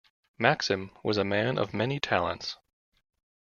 Maxim was a man of many talents.